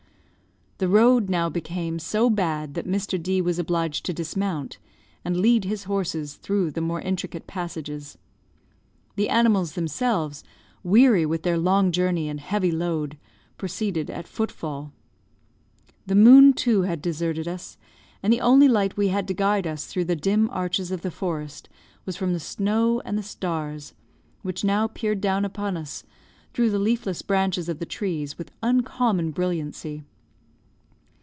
The road now became so bad that Mr. D was obliged to dismount, and lead his horses through the more intricate passages. The animals themselves, weary with their long journey and heavy load, proceeded at foot fall. The moon, too, had deserted us, and the only light we had to guide us through the dim arches of the forest was from the snow and the stars, which now peered down upon us, through the leafless branches of the trees, with uncommon brilliancy.